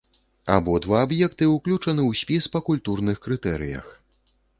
Абодва аб'екты ўключаны ў спіс па культурных крытэрыях.